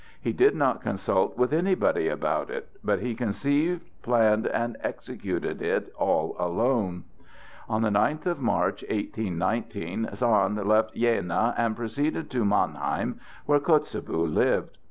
He did not consult with anybody about it, but he conceived, planned, and executed it all alone. On the ninth of March, 1819, Sand left Jena and proceeded to Mannheim, where Kotzebue lived.